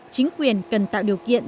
chính quyền cần tạo điều kiện